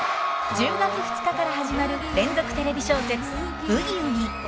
１０月２日から始まる連続テレビ小説「ブギウギ」。